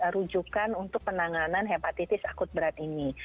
rujukan untuk penanganan hepatitis akut berat ini